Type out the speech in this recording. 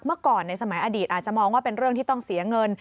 เมื่อก่อนในสมัยอดีตอาจจะมองว่าเป็นเรื่องที่ต้องเสียเงิน